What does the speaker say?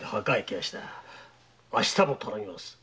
明日も頼みますぜ。